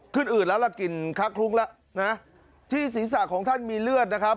อื่นแล้วล่ะกลิ่นคลักคลุ้งแล้วนะที่ศีรษะของท่านมีเลือดนะครับ